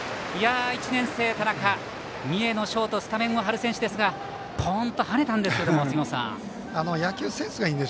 １年生、田中、三重のショートスタメンを張る選手ですがポンとはねましたが、杉本さん。